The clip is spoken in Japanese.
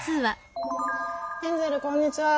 ヘンゼルこんにちは。